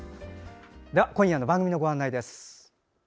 今夜の番組のご案内です。